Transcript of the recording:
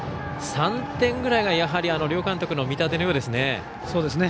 ３点ぐらいが両監督の見立てのようですね。